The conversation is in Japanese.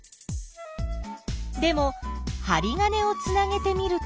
でもはり金をつなげてみると？